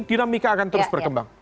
dinamika akan terus berkembang